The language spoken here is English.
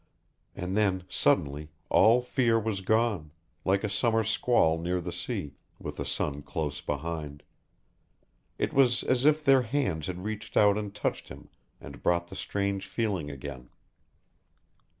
And then, suddenly, all fear was gone like a summer squall near the sea, with the sun close behind. It was as if their hands had reached out and touched him and brought the strange feeling again.